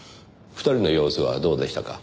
２人の様子はどうでしたか？